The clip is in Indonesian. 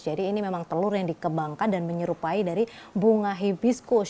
jadi ini memang telur yang dikebangkan dan menyerupai dari bunga hibiscus